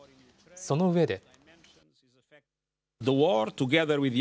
その上で。